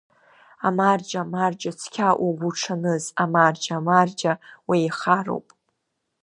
Амарџьа, амарџьа, цқьа угәуҽаныз, амарџьа, амарџьа, уеихароуп!